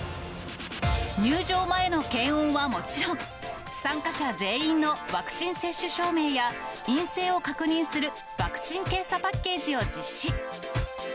入場前の検温はもちろん、参加者全員のワクチン接種証明や、陰性を確認するワクチン・検査パッケージを実施。